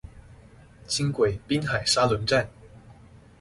輕軌濱海沙崙站